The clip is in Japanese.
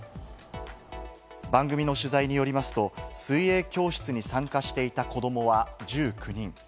番組の取材によりますと水泳教室に参加していた子供は１９人。